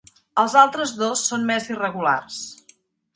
Els altres dos són més irregulars.